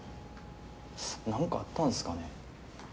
なんかあったんすかね？